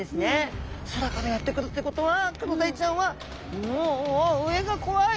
空からやって来るってことはクロダイちゃんはお上が怖い！